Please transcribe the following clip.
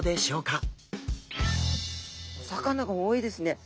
お魚が多いですね。